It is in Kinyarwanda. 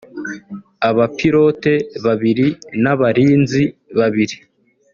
abapirote babiri n’abarinzi babiri